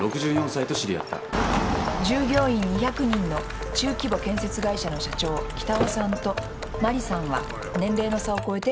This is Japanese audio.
「従業員２００人の中規模建設会社の社長北尾さんと真理さんは年齢の差を超えて意気投合。